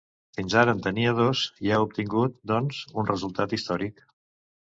Fins ara en tenia dos i ha obtingut, doncs, un resultat històric.